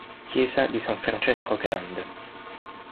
Chiesa di San Francesco Grande